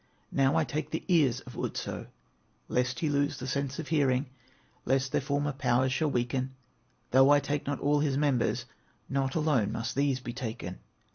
"Now I take the ears of Otso, Lest he lose the sense of hearing, Lest their former powers shall weaken; Though I take not all his members, Not alone must these be taken.